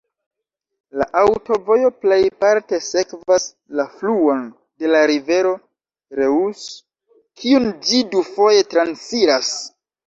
La aŭtovojo plejparte sekvas la fluon de la rivero Reuss, kiun ĝi dufoje transiras.